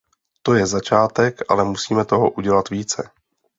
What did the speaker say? To je začátek, ale musíme toho udělat více.